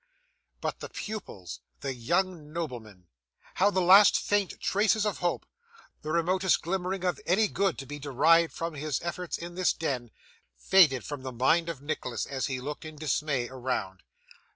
But the pupils the young noblemen! How the last faint traces of hope, the remotest glimmering of any good to be derived from his efforts in this den, faded from the mind of Nicholas as he looked in dismay around!